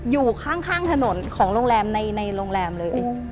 อยู่ข้างถนนของโรงแรมในโรงแรมเลย